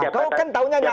kau kan tahunya nggak